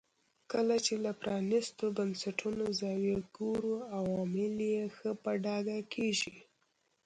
کله چې له پرانیستو بنسټونو زاویې ګورو عوامل یې ښه په ډاګه کېږي.